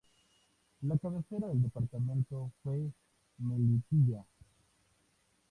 La cabecera del departamento fue Melipilla.